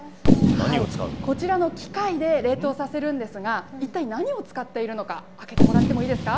こちらの機械で冷凍させるんですが、一体何を使っているのか、開けてもらってもいいですか。